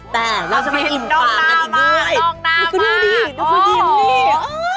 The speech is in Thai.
แต่เราจะไม่อิ่มปากกันอีกด้วยนี่ก็ดูดิดูคุณยินดิโอ้โฮ